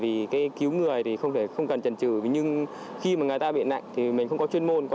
vì cái cứu người thì không phải không cần trần trừ nhưng khi mà người ta bị nặng thì mình không có